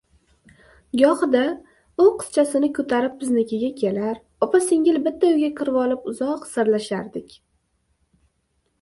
Gohida u qizchasini ko`tarib biznikiga kelar, opa-singil bitta uyga kirvolib, uzoq sirlashardik